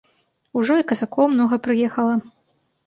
Ужо і казакоў многа прыехала.